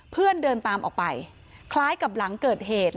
เพื่อนเดินตามออกไปคล้ายกับหลังเกิดเหตุ